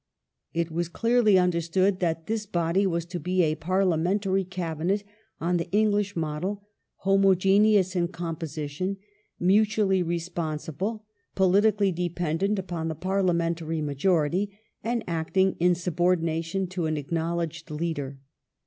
It was clearly understood that this body was to be a Parliamentary Cabinet on the English model ; homogeneous in composition, mutually responsible, politi cally dependent upon the parliamentary majority, and acting in subordination to an acknowledged leader.